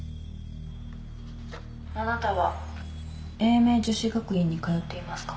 あなたは英明女子学院に通っていますか？